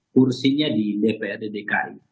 kursinya di dprd dki